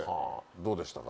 どうでしたか？